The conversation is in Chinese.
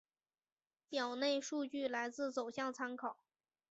表内数据来自走向参考